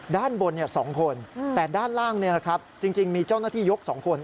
ด้านบน๒คนแต่ด้านล่างจริงมีเจ้าหน้าที่ยก๒คน